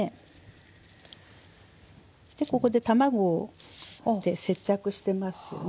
でここで卵を接着してますよね。